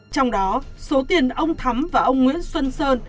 trong đó số tiền ông thắm và ông nguyễn xuân sơn